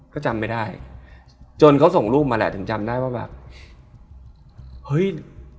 เขาไม่โดนตัวเราอะพี่